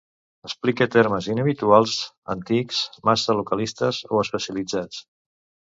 Explique termes inhabituals, antics, massa localistes o especialitzats.